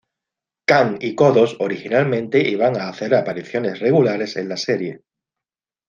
Kang y Kodos originalmente iban a hacer apariciones regulares en la serie.